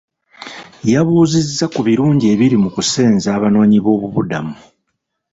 Yabuuzizza ku birungi ebiri mu kusenza Abanoonyiboobubudamu.